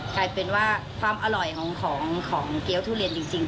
กลายเป็นว่าความอร่อยของเกี้ยวทุเรียนจริง